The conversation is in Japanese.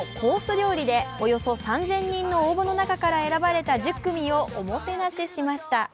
料理で、およそ３０００人の応募の中から選ばれた１０組をおもてなししました。